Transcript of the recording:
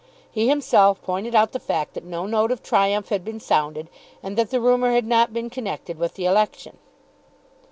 He himself pointed out the fact that no note of triumph had been sounded, and that the rumour had not been connected with the election.